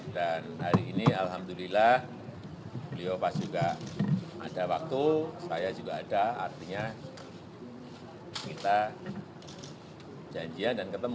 dan hari ini alhamdulillah beliau pasti juga ada waktu saya juga ada artinya kita janjian dan ketemu